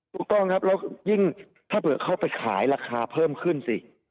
ถูกต้องครับแล้วยิ่งถ้าเผื่อเขาไปขายราคาเพิ่มขึ้นสิ